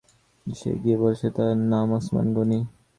সে গিয়ে বলেছে তার নাম ওসমান গনি।